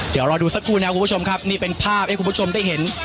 เดี๋ยวรอดูสักครู่นะครับคุณผู้ชมครับนี่เป็นภาพให้คุณผู้ชมได้เห็น